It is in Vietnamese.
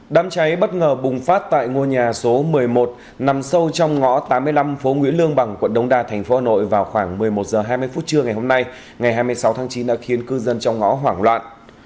đám cháy bất ngờ bùng phát tại ngôi nhà số một mươi một nằm sâu trong ngõ tám mươi năm phố nguyễn lương bằng quận đông đa thành phố hà nội vào khoảng một mươi một h hai mươi phút trưa ngày hôm nay ngày hai mươi sáu tháng chín đã khiến cư dân trong ngõ hoảng loạn